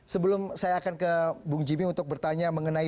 sebelum saya akan ke bung jimmy untuk bertanya mengenai